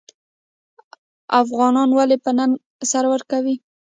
افغانان ولې په ننګ سر ورکوي؟